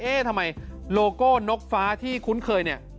เอ๊ะทำไมโลโก้นกฟ้าที่คุ้นเคย